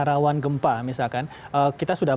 rawan gempa misalkan kita sudah